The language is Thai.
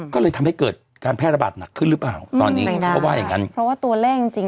ก็เลยทำให้เกิดการแพร่ระบาดหนักขึ้นหรือเปล่าตอนนี้